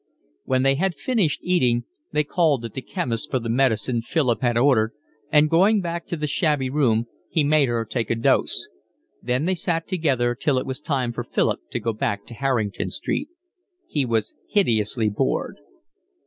When they had finished eating they called at the chemist's for the medicine Philip had ordered, and going back to the shabby room he made her take a dose. Then they sat together till it was time for Philip to go back to Harrington Street. He was hideously bored.